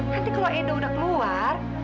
nanti kalau edo udah keluar